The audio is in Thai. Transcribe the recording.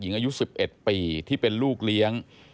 อายุ๑๑ปีที่เป็นลูกเลี้ยง